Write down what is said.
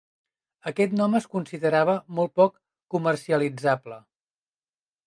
Aquest nom es considerava molt poc comercialitzable.